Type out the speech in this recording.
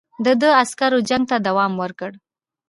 د ده عسکرو جنګ ته دوام ورکړ.